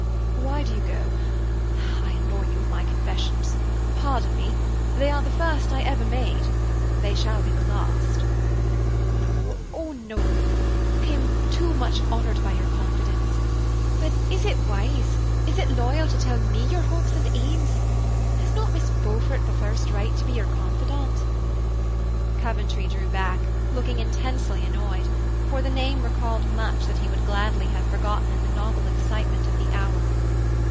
Why do you go? I annoy you with my confessions. Pardon me. They are the first I ever made; they shall be the last." "No, oh no! I am too much honored by your confidence; but is it wise, is it loyal to tell me your hopes and aims? Has not Miss Beaufort the first right to be your confidante?" Coventry drew back, looking intensely annoyed, for the name recalled much that he would gladly have forgotten in the novel excitement of the hour.